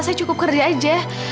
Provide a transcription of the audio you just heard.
saya cukup kerja aja